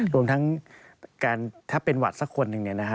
รวมทั้งถ้าเป็นวัดสักคนหนึ่งเนี่ยนะฮะ